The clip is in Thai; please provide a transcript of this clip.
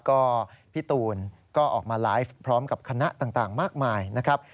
ก็พี่ตูนก็ออกมาไลฟ์พร้อมกับคณะต่างมากมายนะครับ